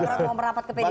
kita ke depan lah